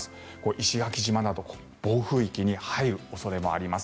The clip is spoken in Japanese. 石垣島など暴風域に入る恐れもあります。